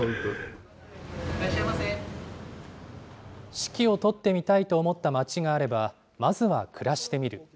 指揮を執ってみたいと思った街があれば、まずは暮らしてみる。